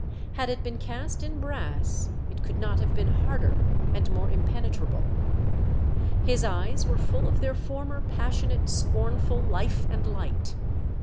Had it been cast in brass it could not have been harder and more impenetrable. His eyes were full of their former passionate scornful life and light.